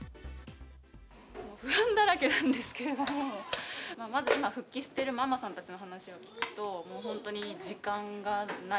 不安だらけなんですけども、まず今、復帰しているママさんたちの話を聞くと、もう本当に時間がない。